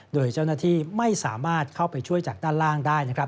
โดยเจ้าหน้าที่ไม่สามารถเข้าไปช่วยจากด้านล่างได้นะครับ